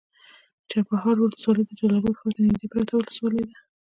چپرهار ولسوالي د جلال اباد ښار ته نږدې پرته ولسوالي ده.